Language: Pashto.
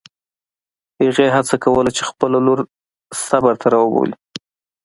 هغې هڅه کوله چې خپله لور صبر ته راوبولي.